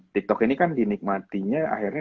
tiktok ini kan dinikmatinya akhirnya